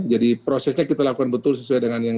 jadi prosesnya kita lakukan betul sesuai dengan yang